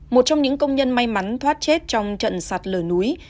một trong những công nhân may mắn thoát chết trong trận sạt lở núi